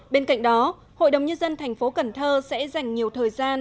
bên cạnh đó hội đồng nhân dân thành phố cần thơ sẽ dành nhiều thời gian